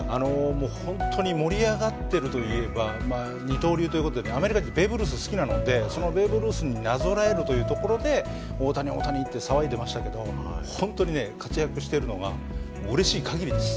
もう本当に盛り上がってるといえば二刀流という事でアメリカ人ベーブ・ルース好きなのでそのベーブ・ルースになぞらえるというところで大谷大谷って騒いでましたけど本当にね活躍してるのがうれしい限りです。